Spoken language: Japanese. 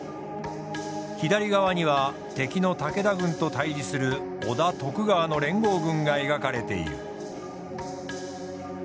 左側には敵の武田軍と対峙する織田・徳川の連合軍が描かれている。